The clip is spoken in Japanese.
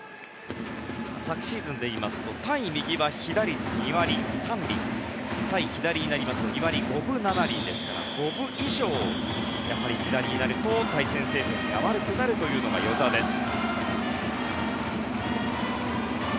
昨シーズンで言いますと対右は被打率２割３厘対左になりますと２割５分７厘ですから５分以上、やはり左になると対戦成績が悪くなるというのが與座です。